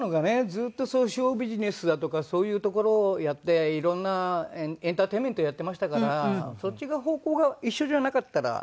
ずっとショービジネスだとかそういうところをやっていろんなエンターテインメントをやってましたからそっちの方向が一緒じゃなかったら。